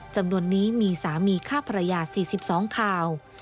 จำนวนนี้มีสามีฆ่าภรรยา๔๒ข่าว